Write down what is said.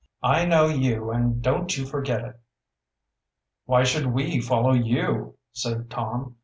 "I know you and don't you forget it." "Why should we follow you?" said Tom.